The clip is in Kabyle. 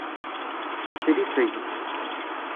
Sriffeg.